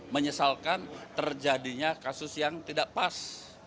menyesalkan terjadinya kasus yang tidak pas